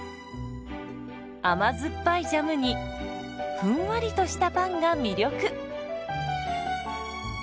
甘酸っぱいジャムにふんわりとしたパンが魅力。